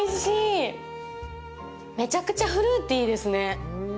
めちゃくちゃフルーティーですね。